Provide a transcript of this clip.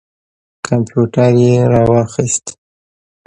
کمپیوټر یې را واخیست.